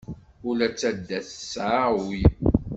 Ula d tadast tesɛa ul.